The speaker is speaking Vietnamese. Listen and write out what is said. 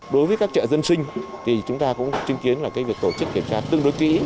đối với các chợ dân sinh thì chúng ta cũng chứng kiến là việc tổ chức kiểm tra tương đối kỹ